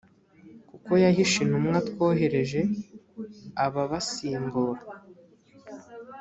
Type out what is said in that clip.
kuko yahishe intumwa twohereje ababasimbura